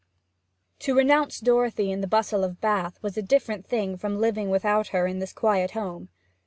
To renounce Dorothy in the bustle of Bath was a different thing from living without her in this quiet home.